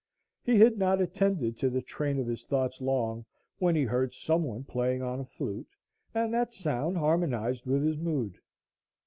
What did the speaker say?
He had not attended to the train of his thoughts long when he heard some one playing on a flute, and that sound harmonized with his mood.